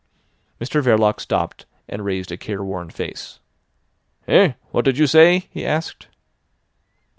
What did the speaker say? Mr Verloc stopped, and raised a care worn face. "Eh? What did you say?" he asked.